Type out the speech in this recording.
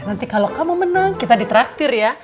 nanti kalau kamu menang kita di traktir ya